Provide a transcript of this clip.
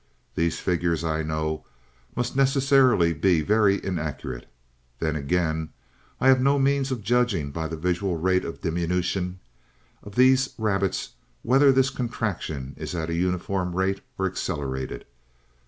These figures, I know, must necessarily be very inaccurate. Then, again, I have no means of judging by the visual rate of diminution of these rabbits, whether this contraction is at a uniform rate or accelerated.